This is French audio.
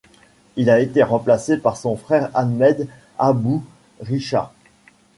Il a été remplacé par son frère Ahmed Abou-Risha.